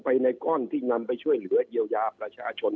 ไปในก้อนที่นำไปช่วยเหลือเยียวยาประชาชน